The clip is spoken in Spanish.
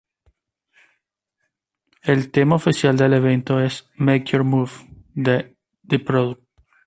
El tema oficial del evento es "Make your move" de "the product".